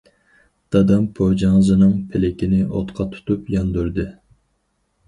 دادام پوجاڭزىنىڭ پىلىكىنى ئوتقا تۇتۇپ ياندۇردى.